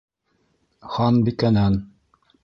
—Ханбикәнән.